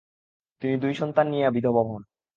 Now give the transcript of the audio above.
তিনি দুই সন্তান নিয়ে বিধবা হন।